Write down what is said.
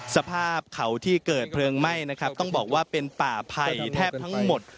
สภาพเขาที่เกิดเพลิงไหม้นะครับต้องบอกว่าเป็นป่าภัยแทบทั้งหมด